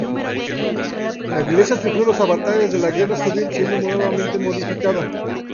La iglesia sufrió los avatares de la Guerra Civil, siendo nuevamente modificada.